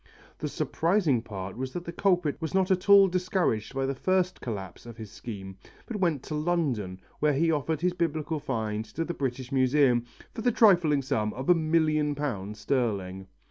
The surprising part was that the culprit was not at all discouraged by the first collapse of his scheme but went to London, where he offered his Biblical find to the British Museum for the trifling sum of a million pounds sterling.